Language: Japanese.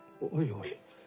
おい